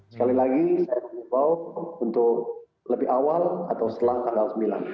sekali lagi saya mengimbau untuk lebih awal atau setelah tanggal sembilan